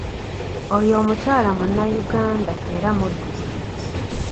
Oyo omukyala Munnayuganda era muddusi.